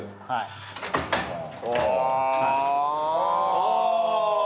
ああ！